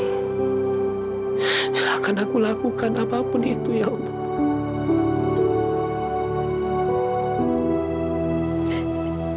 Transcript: ya allah akan aku lakukan apapun itu ya allah